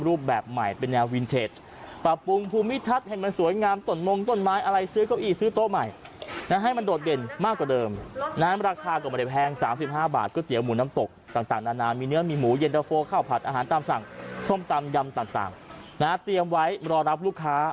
รูปแบบใหม่เป็นแนววินเทจปรับปรุงภูมิทัศน์ให้มันสวยงามตนมงต้นไม้อะไรซื้อเก้าอี้ซื้อโต๊ะใหม่นะให้มันโดดเด่นมากกว่าเดิมนะราคาก็ไม่ได้แพง๓๕บาทก๋วเตี๋หมูน้ำตกต่างนานามีเนื้อมีหมูเย็นตะโฟข้าวผัดอาหารตามสั่งส้มตำยำต่างนะฮะเตรียมไว้รอรับลูกค้า